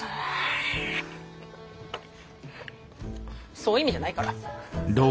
そういう意味じゃないから。